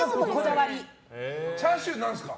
チャーシュー、何ですか？